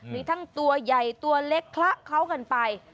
มีทั้งตัวใหญ่ตัวเล็กคละเขากันไป